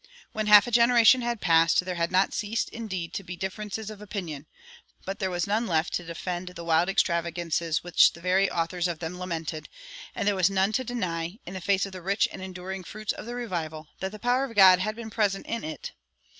When half a generation had passed there had not ceased, indeed, to be differences of opinion, but there was none left to defend the wild extravagances which the very authors of them lamented, and there was none to deny, in face of the rich and enduring fruits of the revival, that the power of God had been present in it.